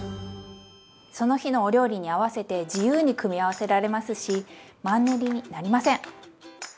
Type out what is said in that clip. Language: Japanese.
その日のお料理に合わせて自由に組み合わせられますしマンネリになりません！